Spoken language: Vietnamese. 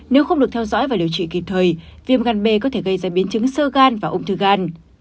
nếu không được theo dõi và điều trị kịp thời viêm gan b có thể gây ra biến chứng sơ gan và ung thư gan